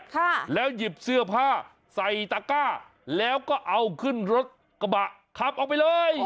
ค่ะแล้วหยิบเสื้อผ้าใส่ตะก้าแล้วก็เอาขึ้นรถกระบะขับออกไปเลย